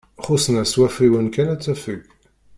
Xusen-as wafriwen kan ad tafeg.